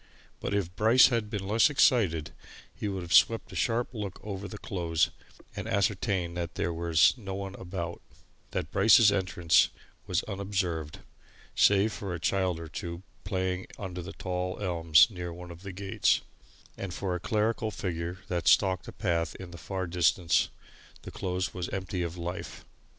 But if Bryce had been less excited, he would have seen that Folliot, as he beckoned him inside the garden, swept a sharp look over the Close and ascertained that there was no one about, that Bryce's entrance was unobserved. Save for a child or two, playing under the tall elms near one of the gates, and for a clerical figure that stalked a path in the far distance, the Close was empty of life.